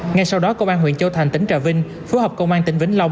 ngay sau đó công an huyện châu thành tỉnh trà vinh phối hợp công an tỉnh vĩnh long